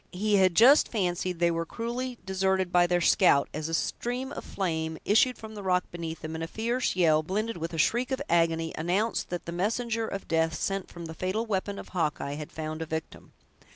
He had just fancied they were cruelly deserted by their scout, as a stream of flame issued from the rock beneath them, and a fierce yell, blended with a shriek of agony, announced that the messenger of death sent from the fatal weapon of Hawkeye, had found a victim.